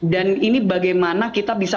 ini bagaimana kita bisa